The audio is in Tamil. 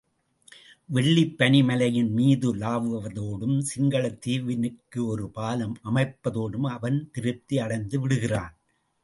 வெள்ளிப் பனிமலையின் மீதுலவுவதோடும், சிங்களத் தீவுக்கு ஒரு பாலம் அமைப்பதோடும் அவன் திருப்தி அடைந்துவிடுகிறான்.